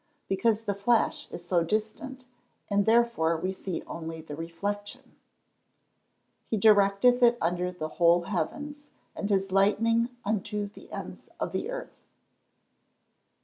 _ Because the flash is distant, and therefore we see only the reflection. [Verse: "He directeth it under the whole heavens, and his lightning unto the ends of the earth."